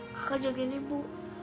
kakak jagain ibu